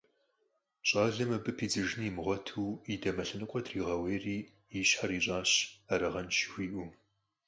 Щалэм абы пидзыжын имыгъуэту и дамэ лъэныкъуэр дригъэуейри, и щхьэр ищӀащ, «арагъэнщ» жыхуиӀэу.